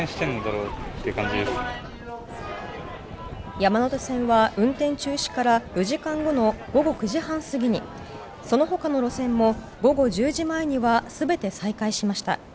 山手線は運転中止から４時間後の午後９時半過ぎにその他の路線も午後１０時前には全て再開しました。